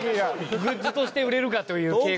グッズとして売れるかという傾向。